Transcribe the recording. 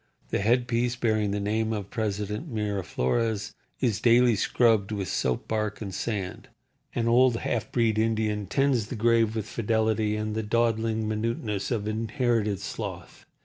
The headpiece bearing the name of President Miraflores is daily scrubbed with soap bark and sand. An old half breed Indian tends the grave with fidelity and the dawdling minuteness of inherited sloth.